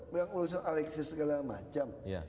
bilang urusan alexis segala macam